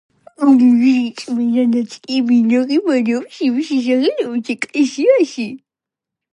მისი წმინდა ნაწილები ინახება რომში მისი სახელობის ეკლესიაში.